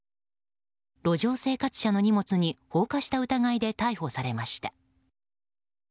路上生活者の荷物に放火した疑いで逮捕されました。